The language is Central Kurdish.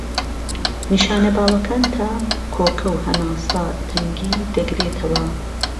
نیشانە باوەکان تا، کۆکە و هەناسە تەنگی دەگرێتەوە.